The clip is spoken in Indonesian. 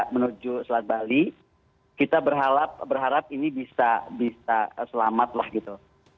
menuju selat bali kita berharap ini bisa selamatlah gitu